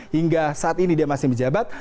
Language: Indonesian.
dua ribu tiga belas hingga saat ini dia masih menjabat